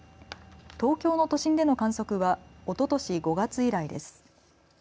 東京の都心での観測はおととし５月以来です。